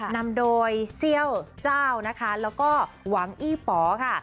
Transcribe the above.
นำโดยเซี่ยวเจ้านะคะแล้วก็หวังอี้ป๋อค่ะ